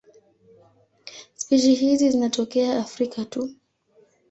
Spishi hizi zinatokea Afrika tu.